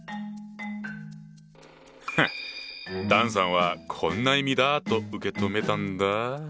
フッ段さんはこんな意味だと受け止めたんだ。